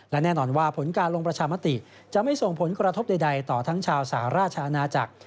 และแน่นอนว่าผลการลงประชามติจะไม่ส่งผลกระทบใดต่อทั้งชาวสหราชอาณาจักร